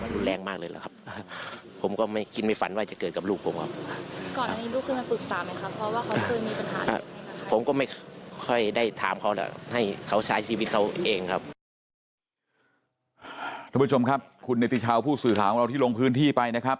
คุณผู้ชมครับคุณเนติชาวผู้สื่อข่าวของเราที่ลงพื้นที่ไปนะครับ